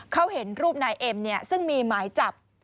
เขาเห็นรูปนายเอ็มซึ่งมีหมายจับ